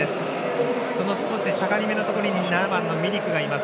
その少し下がりめのところに７番のミリクがいます。